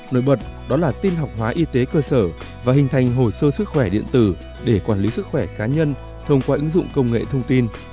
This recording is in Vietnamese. nổi bật đó là tin học hóa y tế cơ sở và hình thành hồ sơ sức khỏe điện tử để quản lý sức khỏe cá nhân thông qua ứng dụng công nghệ thông tin